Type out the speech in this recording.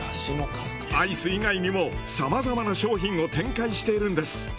アイス以外にもさまざまな商品を展開しているんです。